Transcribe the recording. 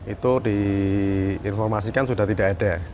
itu diinformasikan sudah tidak ada